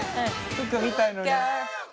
「服見たいのに」